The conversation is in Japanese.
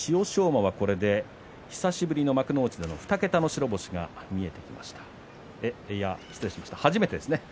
馬はこれで久しぶりの幕内での２桁白星が見えてきました失礼しました。